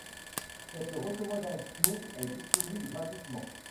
Cette recommandation est disponible gratuitement.